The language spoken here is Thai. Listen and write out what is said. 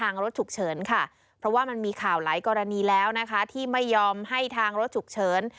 นี้แล้วนะคะที่ไม่ยอมให้ทางรถฉุกเฉิน